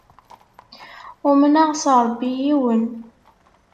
Umneɣ s Ṛebbi yiwen.